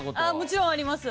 もちろんあります。